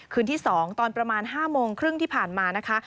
คืนที่๒ตอนประมาณ๕โมงครึ่งที่ผ่านมานะคะ